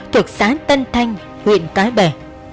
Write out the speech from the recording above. thuộc xã tân thanh huyện cái bẻ